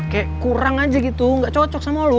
kayak kurang aja gitu nggak cocok sama lo